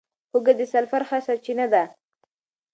هوږه د سلفر ښه سرچینه ده.